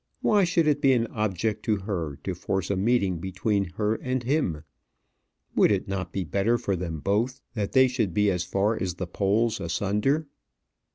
Why should it be an object to her to force a meeting between her and him? Would it not be better for them both that they should be far as the poles asunder?